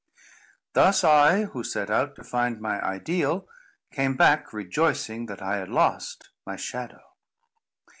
Thus I, who set out to find my Ideal, came back rejoicing that I had lost my Shadow.